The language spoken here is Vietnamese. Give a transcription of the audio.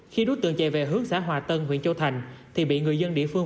khi đối tượng chạy về hướng xã hòa tân huyện châu thành thì bị người dân địa phương